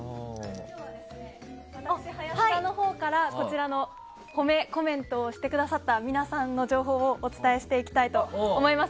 私、林田のほうから褒めコメントをしてくださった皆さんの情報をお伝えしていきたいと思います。